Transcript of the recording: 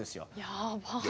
やばい。